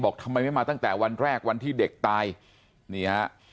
บอกทำไมไม่มาตั้งแต่วันแรกวันที่เด็กตาย